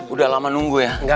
udah lama nunggu ya